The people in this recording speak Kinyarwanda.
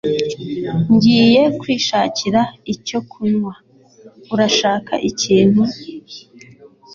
Ngiye kwishakira icyo kunywa. Urashaka ikintu?